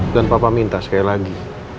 papa minta sekali lagi